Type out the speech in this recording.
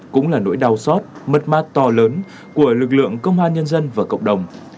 cũng là nỗi đau xót mất mát to lớn của lực lượng công an nhân dân và cộng đồng